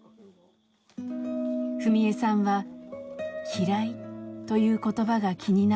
史恵さんは「嫌い」という言葉が気になっていました。